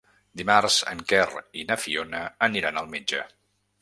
Dimarts en Quer i na Fiona aniran al metge.